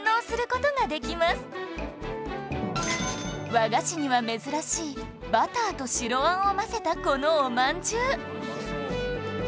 和菓子には珍しいバターと白あんを混ぜたこのおまんじゅう